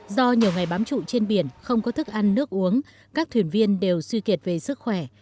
do nhiều ngày bám trụ trên biển không có thức ăn nước uống các thuyền viên đều suy kiệt về sức khỏe